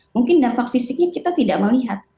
mungkin dampak fisiknya kita tidak melihat